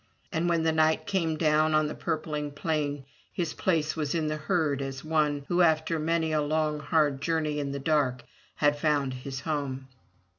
And when the night came down on the purpling plain his place was in the herd as one who after many a long hard journey in the dark had found his home.